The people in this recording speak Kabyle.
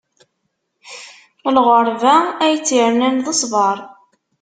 Lɣeṛba, ay tt-irnan d ṣṣbeṛ.